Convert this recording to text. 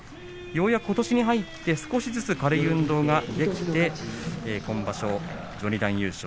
ようやくことしになって少しずつ軽い運動ができて本場所序二段優勝。